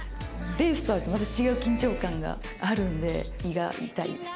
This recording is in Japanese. レースとはまた違う緊張感があるんで胃が痛いです